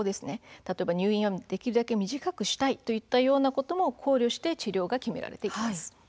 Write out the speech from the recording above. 例えば入院はできるだけ短くしたいといったようなことも考慮して治療が決められていきます。